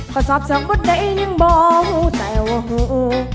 ก็สอบเสียงก็ได้ยังบ่อหูใจว่าหู